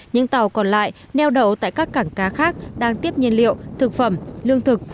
những tàu còn lại neo đậu tại các cảng cá khác đang tiếp nhiên liệu thực phẩm lương thực